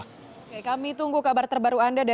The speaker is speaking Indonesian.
oke kami tunggu kabar terbaru anda dari puspa